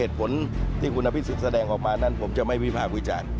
เหตุผลที่คุณอภิษฐธ์แสดงออกมานั้นผมจะไม่มีผ่าพูดจาก